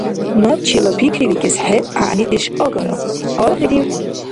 Набчила пикривикӀес хӀед гӀягӀнидеш агара, аргъирив?